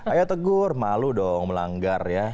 ayo tegur malu dong melanggar ya